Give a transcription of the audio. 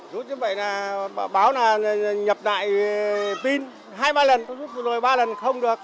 rút như vậy là báo nhập lại pin hai ba lần rút rồi ba lần không được